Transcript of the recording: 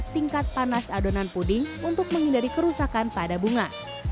tingkat panas adonan puding untuk menghindari kerusakan pada bunga